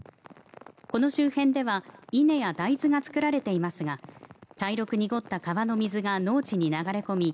この周辺では稲や大豆が作られていますが茶色く濁った川の水が農地に流れ込み